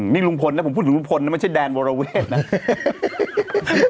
นี่ลุงพลนะผมพูดถึงลุงพลนะไม่ใช่แดนวรเวทนะ